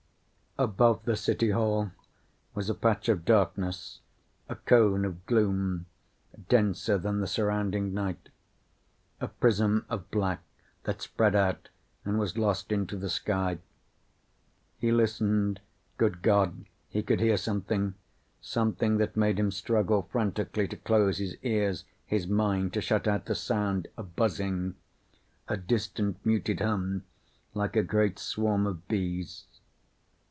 Above the City Hall was a patch of darkness, a cone of gloom denser than the surrounding night. A prism of black that spread out and was lost into the sky. He listened. Good God, he could hear something. Something that made him struggle frantically to close his ears, his mind, to shut out the sound. A buzzing. A distant, muted hum like a great swarm of bees.